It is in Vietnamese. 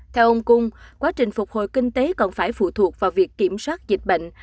theo ông cung quá trình phục hồi kinh tế còn phải phụ thuộc vào việc kiểm soát dịch bệnh